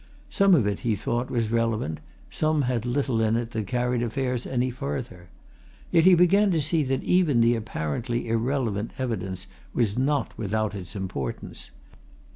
Some of it, he thought, was relevant; some had little in it that carried affairs any further. Yet he began to see that even the apparently irrelevant evidence was not without its importance.